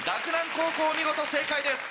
高校見事正解です。